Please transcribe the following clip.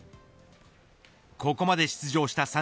ここまで出場した